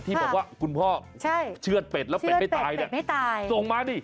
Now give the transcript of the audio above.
ที่บอกว่าคุณพ่อเชื่อดเป็ดแล้วเป็ดไม่ตายเนี่ยไม่ตายส่งมาดิ